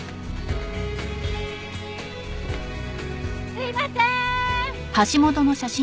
すいませーん！